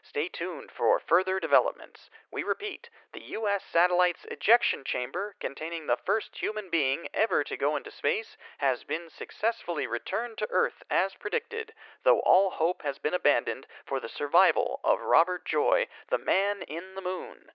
Stay tuned for further developments. We repeat, the U. S. satellite's ejection chamber, containing the first human being ever to go into space, has been successfully returned to earth as predicted, though all hope has been abandoned for the survival of Robert Joy, the man in the moon.